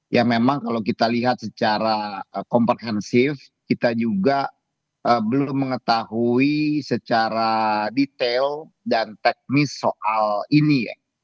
ya memang kalau kita lihat secara komprehensif kita juga belum mengetahui secara detail dan teknis soal ini